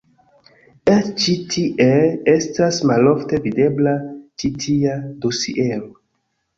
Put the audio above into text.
Eĉ ĉi tie estas malofte videbla ĉi tia dosiero.